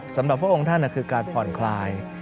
สำหรับพระองค์ท่านคือการผ่อนคลาย